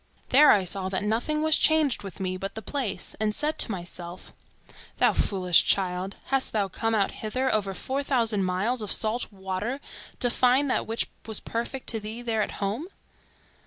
There I saw that nothing was changed with me but the place, and said to myself—'Thou foolish child, hast thou come out hither, over four thousand miles of salt water, to find that which was perfect to thee there at home?